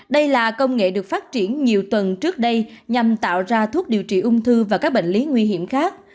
đây là công nghệ được phát triển nhiều tuần trước đây nhằm tạo ra thuốc điều trị ung thư và các bệnh lý nguy hiểm khác